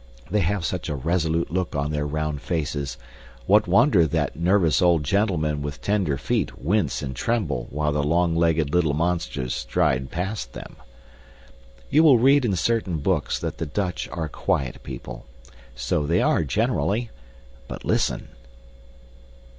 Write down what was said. They have such a resolute look on their round faces, what wonder that nervous old gentlemen with tender feet wince and tremble while the long legged little monsters stride past them. You will read in certain books that the Dutch are a quiet people so they are generally. But listen!